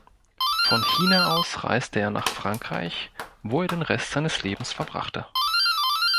Von China aus reiste er nach Frankreich, wo er den Rest seines Lebens verbrachte.